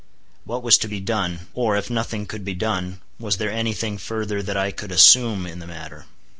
What was to be done? or, if nothing could be done, was there any thing further that I could assume in the matter?